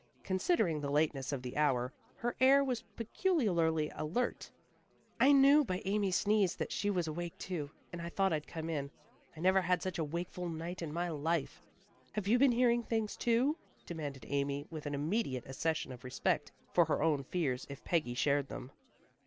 Considering the lateness of the hour, her air was peculiarly alert. "I knew by Amy's sneeze that she was awake, too, and I thought I'd come in. I never had such a wakeful night in my life." "Have you been hearing things, too?" demanded Amy, with an immediate accession of respect for her own fears if Peggy shared them.